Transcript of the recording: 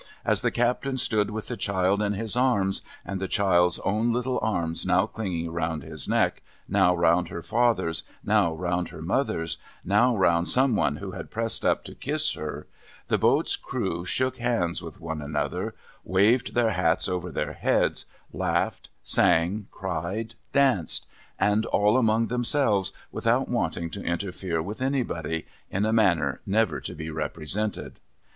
As the Captain stood with the child in his arms, and the child's own little arms now clinging round his neck, now round her father's, now round her mother's, now round some one who pressed up to kiss her, the boat's crew shook hands with one another, waved their hats over their heads, laughed, sang, cried, danced — and all among themselves, without wanting to interfere with anybody — in a manner never to be represented.